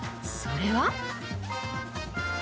それは］